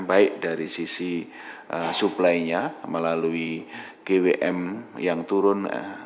baik dari sisi suplainya melalui gwm yang turun